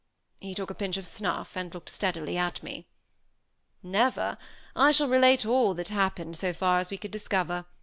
He took a pinch of snuff, and looked steadily at me. "Never! I shall relate all that happened, so far as we could discover.